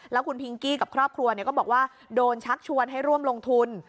แล้วคุณพิงกี้กับครอบครัวก็บอกว่าโดนชักชวนให้ร่วมลงทุน